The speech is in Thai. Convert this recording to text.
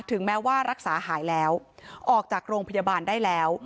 แม้ว่ารักษาหายแล้วออกจากโรงพยาบาลได้แล้ว